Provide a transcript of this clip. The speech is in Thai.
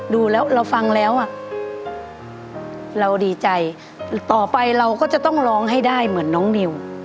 ดูแล้วเราฟังแล้วอ่ะเราดีใจต่อไปเราก็จะต้องร้องให้ได้เหมือนน้องนิว